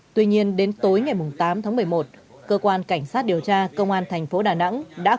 tuy nhiên đến tối ngày tám tháng một mươi một cơ quan cảnh sát điều tra công an thành phố đà nẵng đã